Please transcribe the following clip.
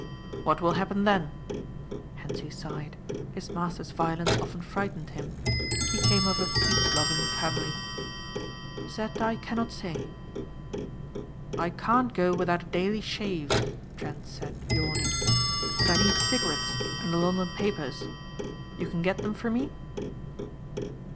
"What will happen then?" Hentzi sighed. His master's violence often frightened him. He came of a peaceloving family. "That I cannot say." "I can't go without a daily shave," Trent said yawning. "And I need cigarettes and the London papers. You can get them for me?"